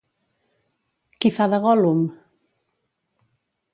Qui fa de Gòl·lum?